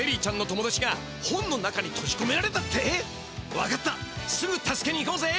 わかったすぐ助けにいこうぜ！